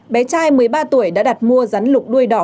bé trai một mươi ba tuổi đã đặt mua rắn lục đuôi đỏ